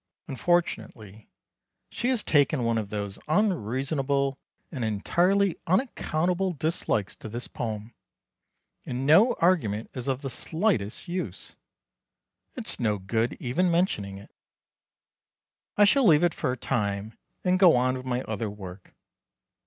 Unfortunately she has taken one of those unreasonable and entirely unaccountable dislikes to this poem, and no argument is of the slightest use. It's no good even mentioning it. I shall leave it for a time and go on with my other work.